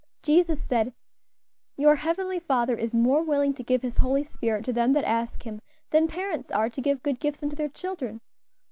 Jesus said, 'Your Heavenly Father is more willing to give His Holy Spirit to them that ask Him, than parents are to give good gifts unto their children.